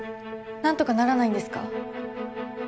何とかならないんですか？